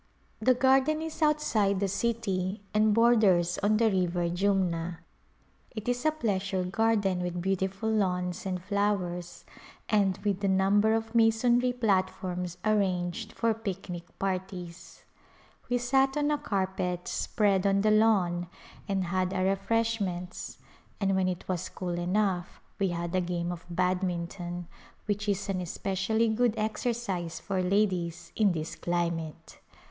The garden is outside A Pilgrimage the city and borders on the river Jumna. It is a pleasure garden with beautiful lawns and flowers and with a number of masonry platforms arranged for picnic parties. We sat on a carpet spread on the lawn and had our refreshments and when it was cool enough we had a game of badminton, which is an especially good exercise for ladies in this climate.